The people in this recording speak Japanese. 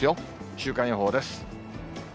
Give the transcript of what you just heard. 週間予報です。